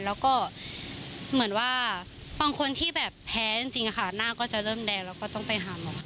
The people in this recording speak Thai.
แล้วก็เหมือนว่าบางคนที่แบบแพ้จริงค่ะหน้าก็จะเริ่มแดงแล้วก็ต้องไปหาหมอ